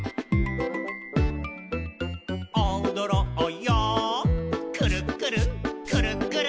「おどろうよくるっくるくるっくる」